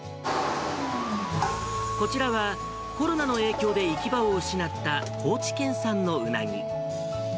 こちらはコロナの影響で行き場を失った高知県産のウナギ。